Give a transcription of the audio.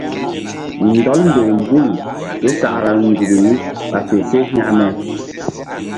Ndɔl mberem hul ké sakra nzukri ɓa fe se hekme.